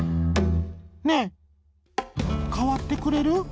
「ねえかわってくれる？」。